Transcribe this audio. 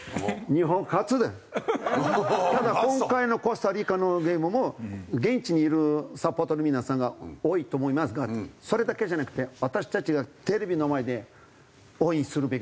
ただ今回のコスタリカのゲームも現地にいるサポーターの皆さんが多いと思いますがそれだけじゃなくて私たちがテレビの前で応援するべきだと思います。